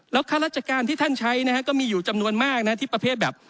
แล้วค่าราชการที่ท่านใช้นะฮะก็มีอยู่จำนวนมากนะที่ประเภทแบบ